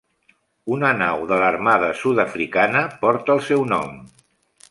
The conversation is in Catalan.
Una nau de l'armada sud-africana porta el seu nom.